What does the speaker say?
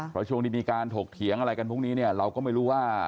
เพราะช่วงที่มีการถกเถียงอะไรกันพวกนี้เนี่ยเราก็ไม่รู้ว่า